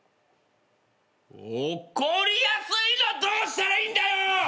怒りやすいのはどうしたらいいんだよ！